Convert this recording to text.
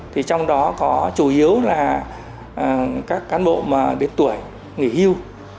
trong đó có chủ yếu là các cán bộ đến tuổi nghỉ hưu